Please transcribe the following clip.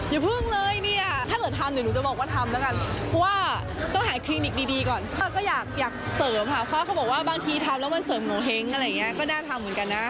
อยากเสริมค่ะเพราะเขาบอกว่าบางทีทำแล้วมันเสริมโงเห้งอะไรอย่างนี้ก็น่าทำเหมือนกันนะ